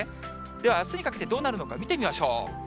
では、あすにかけてどうなるのか見てみましょう。